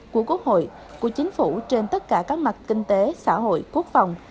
của quốc hội của chính phủ trên tất cả các mặt kinh tế xã hội quốc phòng